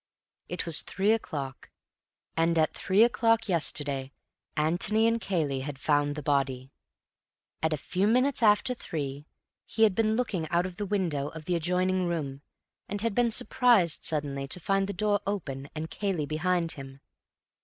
It was three o'clock, and at three o'clock yesterday Antony and Cayley had found the body. At a few minutes after three, he had been looking out of the window of the adjoining room, and had been surprised suddenly to find the door open and Cayley behind him.